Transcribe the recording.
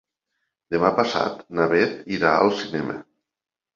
Demà passat na Beth irà al cinema.